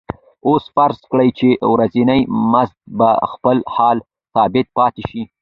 اوس فرض کړئ چې ورځنی مزد په خپل حال ثابت پاتې شي